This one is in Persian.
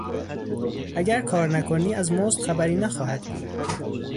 اگر کارنکنی از مزد خبری نخواهد بود!